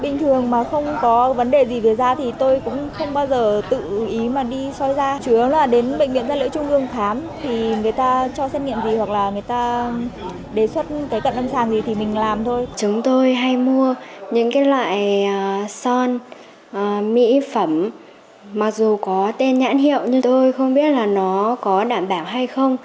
chúng tôi hay mua những loại son mỹ phẩm mặc dù có tên nhãn hiệu nhưng tôi không biết là nó có đảm bảo hay không